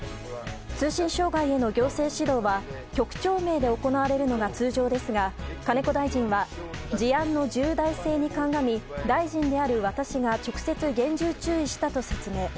通信障害への行政指導は局長名で行われるのが通常ですが金子大臣は事案の重大性に鑑み大臣である私が直接、厳重注意したと説明。